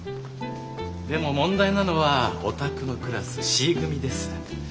でも問題なのはお宅のクラスＣ組です。